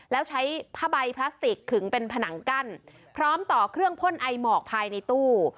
แล้วใช้ผ้าใบพลาสติกขึงเป็นผนังกั้นพร้อมต่อเครื่องพ่นไอหมอกภายในตู้